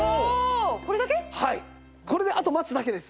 これであと待つだけです。